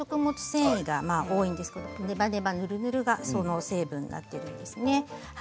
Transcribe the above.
繊維が多いんですけれどネバネバ、ヌルヌルがその成分になっておりますね。